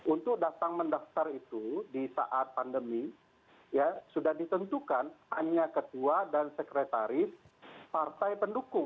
untuk datang mendaftar itu di saat pandemi ya sudah ditentukan hanya ketua dan sekretaris partai pendukung